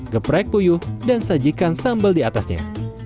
geprek puyuh dan sajikan sambal di atasnya